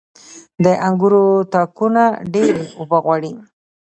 • د انګورو تاکونه ډيرې اوبه غواړي.